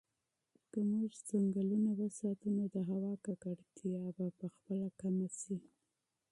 که موږ ځنګلونه وساتو نو د هوا ککړتیا به په خپله کمه شي.